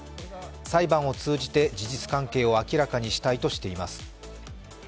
裁判を通じて、事実関係を明らかにしたいとしています。